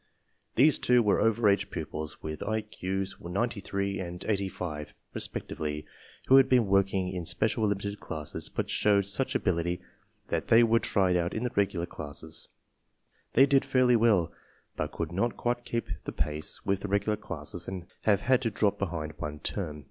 These two were over age pupils with IQ's 93 and 85, respectively, who had been work ing in special limited classes but showed such ability that they were tried out in the regular classes. They did fairly well, but could not quite keep the pace with the regular classes and have had to drop behind one term.